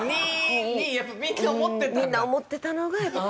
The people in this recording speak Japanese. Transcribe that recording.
みんな思ってたのがやっぱ。